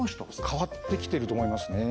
変わってきてると思いますね